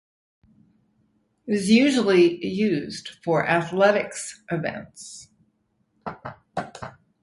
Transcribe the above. It is usually used for athletics events.